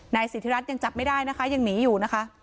นายสิทธิรัตน์ยังจับไม่ได้ยังหนีอยู่